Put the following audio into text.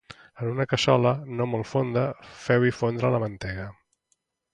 En una cassola no molt fonda feu-hi fondre la mantega